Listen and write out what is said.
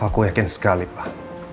aku yakin sekali pak